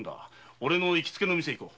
オレの行きつけの店に行こう。